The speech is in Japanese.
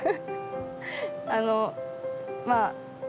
あのまあ